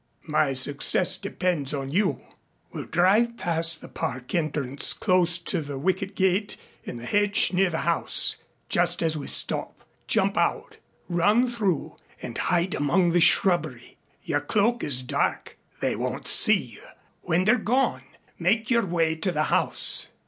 My success depends on you. We'll drive past the Park entrance close to wicket gate in the hedge near the house. Just as we stop, jump out, run through and hide among the shrubbery. Your cloak is dark. They won't see you. When they're gone, make your way to the house.